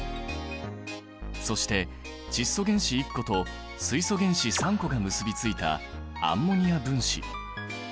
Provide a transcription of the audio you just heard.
そして窒素原子１個と水素原子３個が結びついたアンモニア分子。